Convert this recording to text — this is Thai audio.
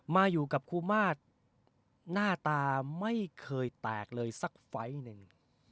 มาอยู่กับครูมาศหน้าตาไม่เคยแตกเลยสักไฟล์หนึ่ง